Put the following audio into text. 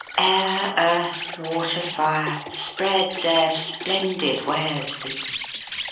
Air, earth, water, fire, spread their splendid wares for you.